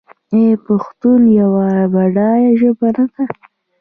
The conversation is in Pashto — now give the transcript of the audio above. آیا پښتو یوه بډایه ژبه نه ده؟